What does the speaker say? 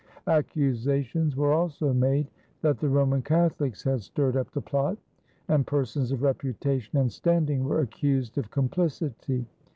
Accusations were also made that the Roman Catholics had stirred up the plot; and persons of reputation and standing were accused of complicity.